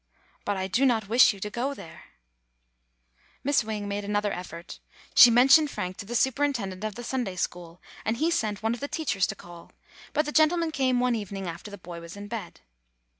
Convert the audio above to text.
"But I do not wish you to go there." Miss Wing made another effort. She men tioned Frank to the superintendent of the Sun day school, and he sent one of the teachers to call, but the gentleman came one evening after the boy was in bed.